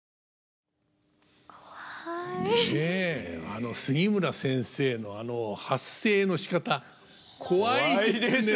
あの杉村先生のあの発声のしかたコワいですね。